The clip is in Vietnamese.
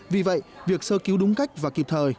vì vậy việc sơ cứu đúng cách và kịp thời